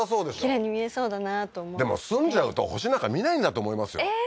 きれいに見えそうだなとでも住んじゃうと星なんか見ないんだと思いますよええー？